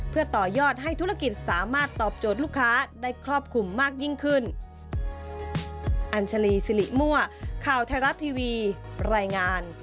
เพื่อต่อยอดให้ธุรกิจสามารถตอบโจทย์ลูกค้าได้ครอบคลุมมากยิ่งขึ้น